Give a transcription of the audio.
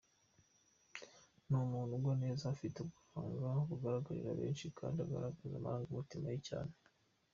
Ni umuntu ugwa neza, ufite uburanga bugaragarira benshi kandi ugaragaza amarangamutima ye cyane.